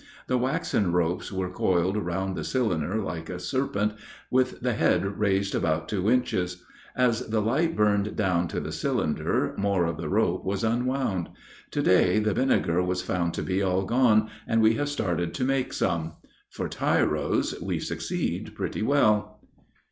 The waxen ropes were coiled round the cylinder like a serpent, with the head raised about two inches; as the light burned down to the cylinder, more of the rope was unwound. To day the vinegar was found to be all gone, and we have started to make some. For tyros we succeed pretty well.